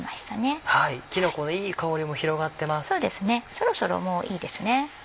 そろそろもういいですね。